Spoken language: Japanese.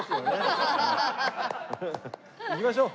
行きましょう。